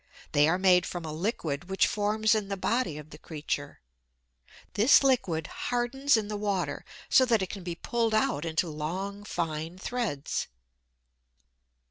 They are made from a liquid which forms in the body of the creature. This liquid hardens in the water so that it can be pulled out into long, fine threads.